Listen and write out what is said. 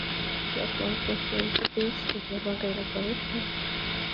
Ruckman's post office is no longer in operation.